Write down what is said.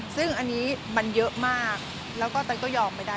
ซึ่งอันนี้มันเยอะมากแล้วก็ต้องก็ยอมไปได้ด้วยค่ะ